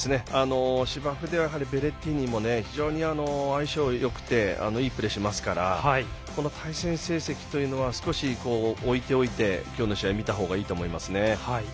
芝生ではベレッティーニも非常に相性がよくていいプレーをしますからこの対戦成績というのは少し置いておいて今日の試合を見た方がいいと思います。